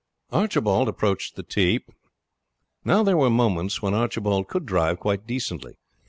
Archibald approached the tee. Now there were moments when Archibald could drive quite decently.